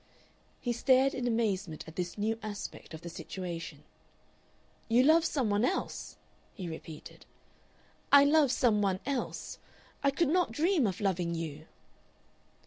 He stared in amazement at this new aspect of the situation. "You love some one else?" he repeated. "I love some one else. I could not dream of loving you."